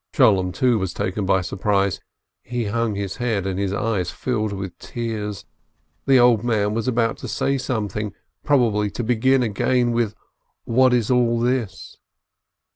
Sholem, too, was taken by surprise. He hung his head, and his eyes filled with tears. The old man was about to say something, probably to begin again with "What is all this